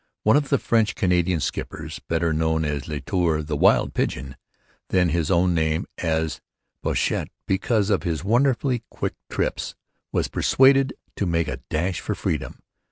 One of the French Canadian skippers, better known as 'Le Tourte' or 'Wild Pigeon' than by his own name of Bouchette because of his wonderfully quick trips, was persuaded to make the dash for freedom.